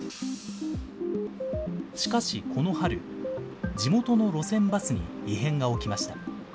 しかしこの春、地元の路線バスに異変が起きました。